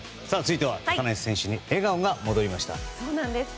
続いては高梨選手に笑顔が戻りました。